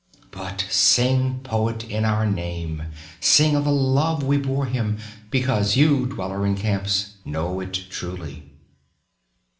But sing poet in our name, Sing of the love we bore him because you, dweller in camps, know it truly.